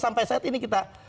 sampai saat ini kita